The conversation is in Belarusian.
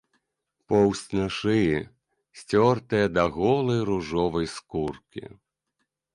Поўсць на шыі сцёртая да голай ружовай скуркі.